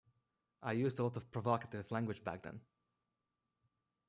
I used a lot of provocative language back then.